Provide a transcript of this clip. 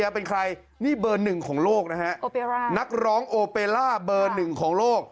เป็นใครนี่เบอร์หนึ่งของโลกนะฮะโอเปล่านักร้องโอเปล่าเบอร์หนึ่งของโลก